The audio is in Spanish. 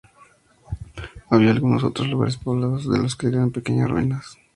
Había algunos otros lugares poblados, de los que quedan pequeñas ruinas.